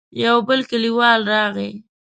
يو بل کليوال راغی.